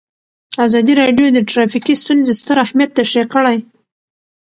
ازادي راډیو د ټرافیکي ستونزې ستر اهميت تشریح کړی.